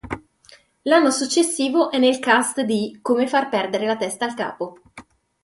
L'anno successivo è nel cast di "Come far perdere la testa al capo".